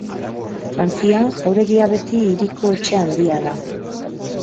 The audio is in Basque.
Frantzian jauregia beti hiriko etxe handia da.